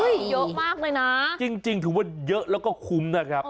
เยอะมากเลยนะจริงถือว่าเยอะแล้วก็คุ้มนะครับ